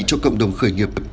cho cộng đồng khởi nghiệp